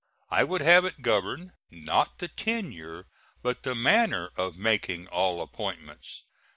I would have it govern, not the tenure, but the manner of making all appointments.